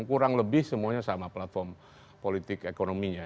kurang lebih semuanya sama platform politik ekonominya